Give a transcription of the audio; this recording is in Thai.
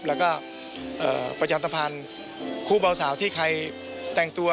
แล้วก็ประจำสะพานคู่เบาสาวที่ใครแต่งตัว